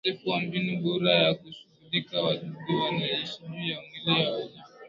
Ukosefu wa mbinu bora ya kushughulikia wadudu wanaoishi juu ya mwili wa mnyama